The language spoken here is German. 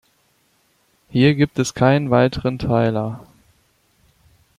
Hier gibt es keine weiteren Teiler.